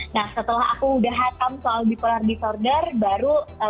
nah setelah aku sudah hatam soal bipolar disorder baru masuk ke karakternya